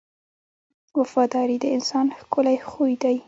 • وفاداري د انسان ښکلی خوی دی.